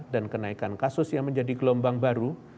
dan kenaikan kasus yang menjadi gelombang baru